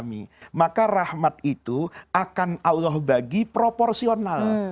maka rahmat itu akan allah bagi proporsional